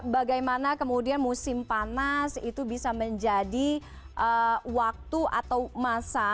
bagaimana kemudian musim panas itu bisa menjadi waktu atau masa